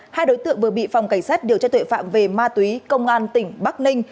hai đối tượng vừa bị phòng cảnh sát điều tra tuệ phạm về ma túy công an tỉnh bắc ninh